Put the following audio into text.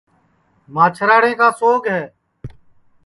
ماچھراڑے کا سوگ ہے